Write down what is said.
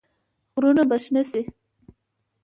غرونه به شنه شي؟